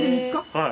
はい。